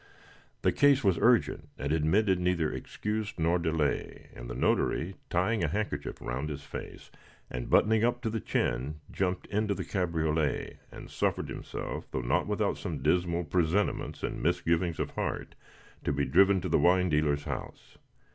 The case was urgent, and admitted neither excuse nor delay; and the notary, tying a handkerchief round his face, and buttoning up to the chin, jumped into the cabriolet, and suffered himself, though not without some dismal presentiments and misgivings of heart, to be driven to the wine dealer's house.